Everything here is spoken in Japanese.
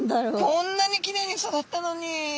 こんなにきれいに育ったのに。